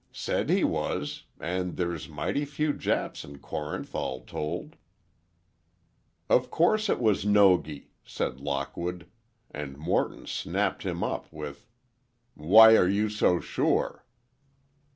"Said he was, and there's mighty few Japs in Corinth, all told." "Of course it was Nogi," said Lockwood, and Morton snapped him up with, "Why are you so sure?"